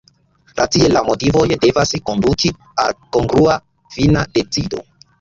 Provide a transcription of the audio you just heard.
Racie la motivoj devas konduki al kongrua fina decido.